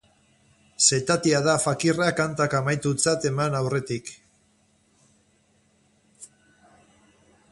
Setatia da Fakirra kantak amaitutzat eman aurretik.